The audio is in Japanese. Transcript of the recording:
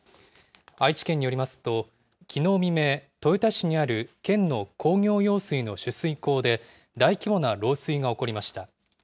愛知県によりますと、きのう未明、豊田市にある県の工業用水の取水口で、大規模な漏水が起こりました。